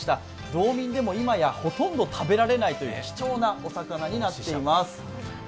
道民でも今や、ほとんど食べられないという貴重な魚になっています。